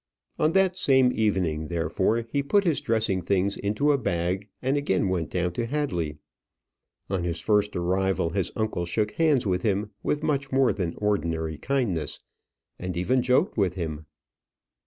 On that same evening, therefore, he put his dressing things into a bag, and again went down to Hadley. On his first arrival his uncle shook hands with him with much more than ordinary kindness, and even joked with him.